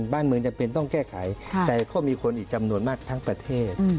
บ้านเมืองจำเป็นต้องแก้ไขแต่ก็มีคนอีกจำนวนมากทั้งประเทศ